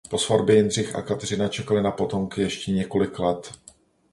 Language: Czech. Po svatbě Jindřich a Kateřina čekali na potomky ještě několik let.